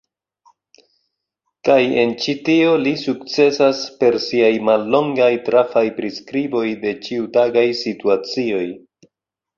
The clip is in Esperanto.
Kaj en ĉi tio li sukcesas per siaj mallongaj, trafaj priskriboj de ĉiutagaj situacioj.